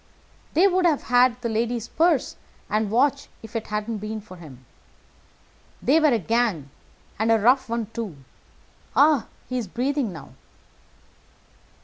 "They would have had the lady's purse and watch if it hadn't been for him. They were a gang, and a rough one, too. Ah! he's breathing now."